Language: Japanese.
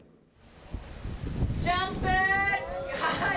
ジャンプ。